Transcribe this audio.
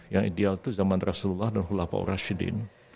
yang ideal itu zaman rasulullah dan khulafah rasidin